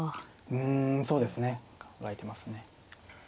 うんそうですね考えてますね。